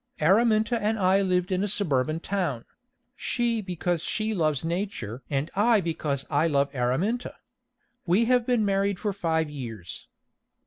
Araminta and I lived in a suburban town; she because she loves Nature and I because I love Araminta. We have been married for five years.